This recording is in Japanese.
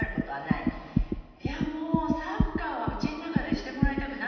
いやもうサッカーはうちの中でしてもらいたくないんですよ